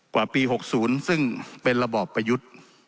กว่าปี๖๐ซึ่งเป็นระบอบประยุทธ์